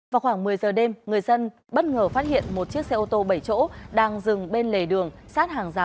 vào khoảng một mươi giờ đêm người dân bất ngờ phát hiện một chiếc xe ô tô bảy chỗ đang dừng bên lề đường